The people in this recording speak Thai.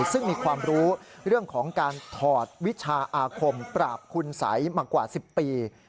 ซึ่งมีความรู้เรื่องของการถอดวิชาอาคมปราบคุณสัยมากว่า๑๐ปี